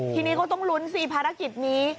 ทีนี้ก็ต้องลุ้นสิภารกิจนี้